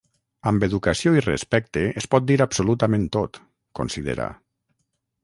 Amb educació i respecte es pot dir absolutament tot, considera.